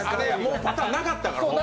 パターンなかったから。